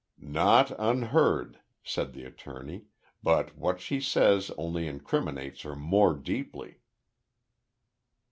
"Not unheard," said the attorney, "but what she says only incriminates her more deeply."